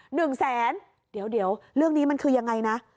หนึ่งแสนเดี๋ยวเดี๋ยวเรื่องนี้มันคือยังไงนะ